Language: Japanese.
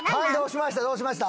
どうしました？